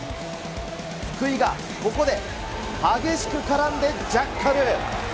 福井がここで激しく絡んでジャッカル。